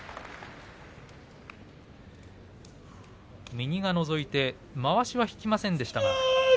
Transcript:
右がのぞいてまわしは引きませんでした。